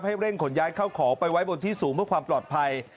เร่งขนย้ายเข้าของไปไว้บนที่สูงเพื่อความปลอดภัย